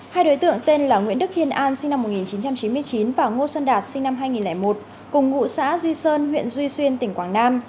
hai đối tượng tên là nguyễn đức kiên an sinh năm một nghìn chín trăm chín mươi chín và ngô xuân đạt sinh năm hai nghìn một cùng ngụ xã duy sơn huyện duy xuyên tỉnh quảng nam